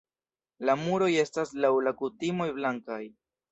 La muroj estas laŭ la kutimoj blankaj.